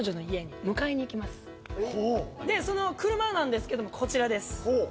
でその車なんですけどもこちらです。